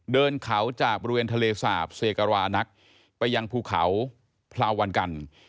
เดินเขาจากบริเวณทะเลสาบเซกรานักไปยังภูเขาพลาวันกัน